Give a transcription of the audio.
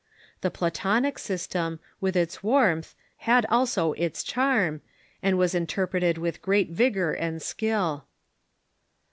The Platonic system, with its warmth, had also its charm, and was interpreted with great vigor and skill.